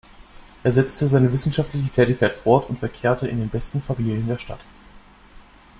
Er setzte seine wissenschaftliche Tätigkeit fort und verkehrte in den besten Familien der Stadt.